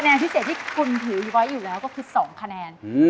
พิเศษที่คุณถือไว้อยู่แล้วก็คือ๒คะแนน